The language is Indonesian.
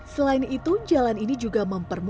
selain itu jalan ini juga memperbaiki